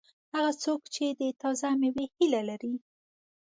هغه څوک چې د تازه مېوې هیله لري.